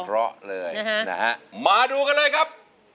มาดูกันเลยครับ